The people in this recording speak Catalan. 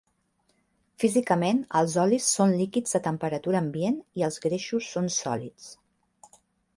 Físicament, els olis són líquids a temperatura ambient i els greixos són sòlids.